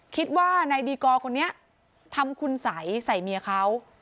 คิดว่านายดีกอร์คนนี้ทำคุณสัยใส่เมียเขา